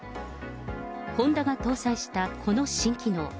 ホンダが搭載したこの新機能。